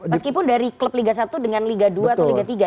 meskipun dari klub liga satu dengan liga dua atau liga tiga